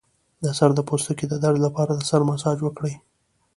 د سر د پوستکي د درد لپاره د سر مساج وکړئ